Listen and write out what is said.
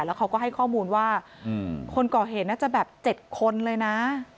แล้วเขาก็ให้ข้อมูลว่าคนก่อเหตุน่าจะแบบ๗คนเลยนะ